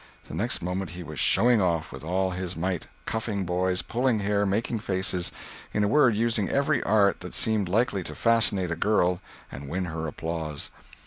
The next moment he was "showing off" with all his might—cuffing boys, pulling hair, making faces—in a word, using every art that seemed likely to fascinate a girl and win her applause.